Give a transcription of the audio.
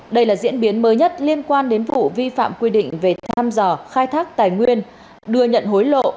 đây là diễn biến mới nhất liên quan đến vụ vi phạm quy định về tham dò khai thác tài nguyên đưa nhận hối lộ